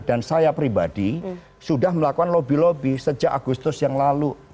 dan saya pribadi sudah melakukan lobby lobby sejak agustus yang lalu